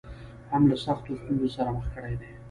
هم له سختو ستونزو سره مخ کړې دي.